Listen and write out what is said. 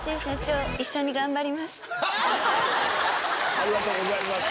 ありがとうございます。